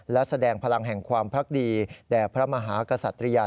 และแสดงพลังแห่งความรักดีแด่พระมหากษัตริยา